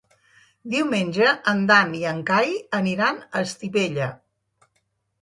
Diumenge en Dan i en Cai aniran a Estivella.